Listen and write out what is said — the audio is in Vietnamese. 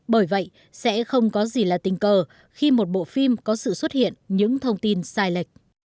bởi vậy sẽ không có gì là tình cờ khi một bộ phim có sự xuất hiện những thông tin sai lệch